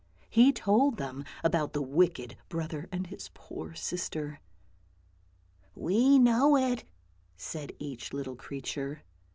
He told them about the wicked brother and his poor sister. " We know it," said each little creature.